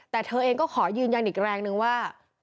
แต่เธอเองก็ขอยืนยันอีกแรงนึงว่า